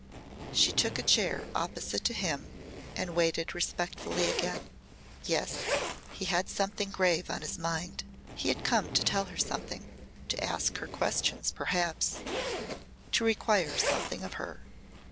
She took a chair opposite to him and waited respectfully again. Yes, he had something grave on his mind. He had come to tell her something to ask her questions perhaps to require something of her.